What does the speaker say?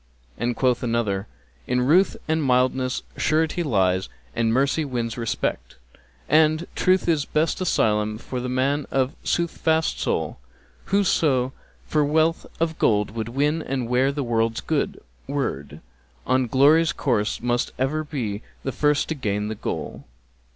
And quoth another, 'In ruth and mildness surety lies and mercy wins respect, * And Truth is best asylum for the man of soothfast soul: Whoso for wealth of gold would win and wear the world's good word, * On glory's course must ever be the first to gain the goal.'"